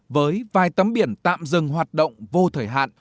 với vài tấm biển tạm dừng hoạt động vô thời hạn